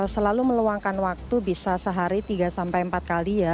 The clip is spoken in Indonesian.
selalu meluangkan waktu bisa sehari tiga empat kali ya